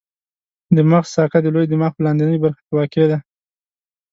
د مغز ساقه د لوی دماغ په لاندنۍ برخه کې واقع ده.